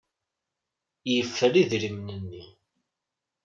Yeffer idrimen-nni.